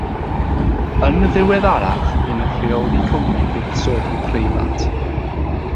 Yn ddiweddarach bu'n rheoli cwmni buddsoddi preifat.